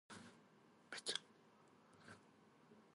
The Bradshaws are not the regions' earliest paintings.